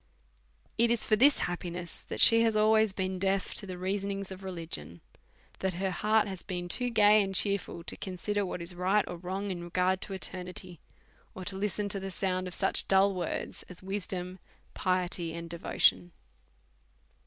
It is for this happiness that she has always been deaf to the reasonings of religion, that her heart has been too gay and cheerful to consider what is right or wrong in regard to eternity, or to listen to the sound of such dull words as wisdom, piety, and devotion.